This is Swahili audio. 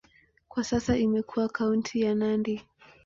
Kwa sasa imekuwa kaunti ya Nandi.